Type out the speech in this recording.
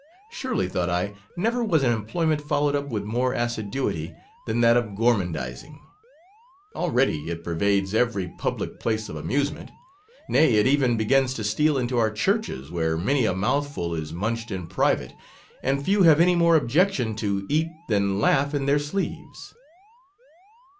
Surely, 43 thought I, never was an employment fol lowed up with more assiduity, than that of gormandizing ; already it pervades every public place of amusement; hay, it even be gins to steal into our churches, where many a mouthful is munched in private; and few have any more objection to eat than laugh in their sleeves.